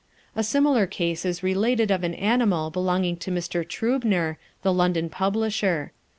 A similar case is related of an animal belonging to Mr. Trübner, the London publisher.